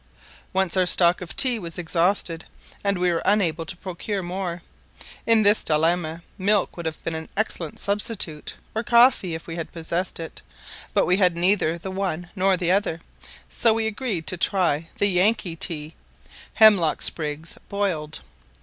Once our stock of tea was exhausted, and we were unable to procure more. In this dilemma milk would have been an excellent substitute, or coffee, if we had possessed it; but we had neither the one nor the other, so we agreed to try the Yankee tea hemlock sprigs boiled.